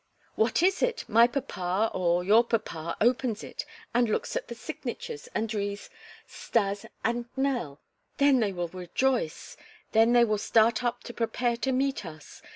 What is it? My papa or your papa opens it and looks at the signatures and reads 'Stas and Nell.' Then they will rejoice! Then they will start up to prepare to meet us!